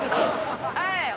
はい！